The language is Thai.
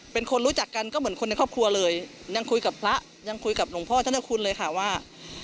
เป็นคนรู้จักกันก็เหมือนคนในครอบครัวเลยยังคุยกับพระยังคุยกับหลวงพ่อท่านคุณเลยค่ะว่า